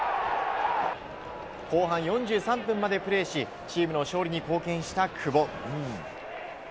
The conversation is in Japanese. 後半４３分までプレーしチームの勝利に貢献した久保。